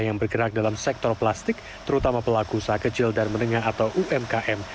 yang bergerak dalam sektor plastik terutama pelaku usaha kecil dan menengah atau umkm